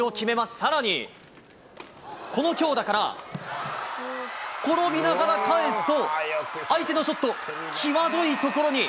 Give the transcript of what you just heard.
さらに、この強打から、転びながら返すと、相手のショット、際どい所に。